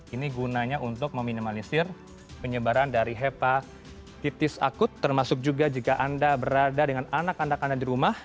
ini gunanya untuk meminimalisir penyebaran dari hepatitis akut termasuk juga jika anda berada dengan anak anak anda di rumah